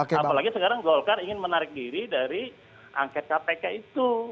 apalagi sekarang golkar ingin menarik diri dari angket kpk itu